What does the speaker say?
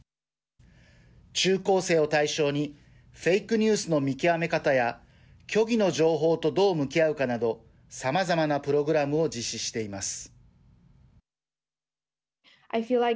中高生を対象にフェイクニュースの見極め方や虚偽の情報とどう向き合うかなどさまざまなプログラムを実施しています。